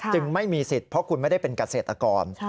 ไม่มีสิทธิ์เพราะคุณไม่ได้เป็นเกษตรกร